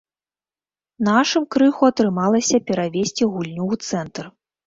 Нашым крыху атрымалася перавесці гульню ў цэнтр.